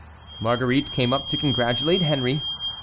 Marguerite came up to congratulate Henry.